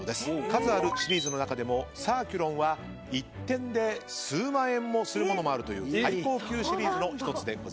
数あるシリーズの中でもサーキュロンは１点で数万円もするものもあるという最高級シリーズの一つでございます。